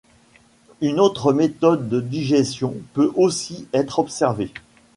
Une autre méthode de digestion peut aussi être observée.